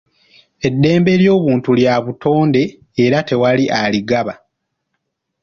Eddembe ly'obuntu lya butonde era tewali aligaba.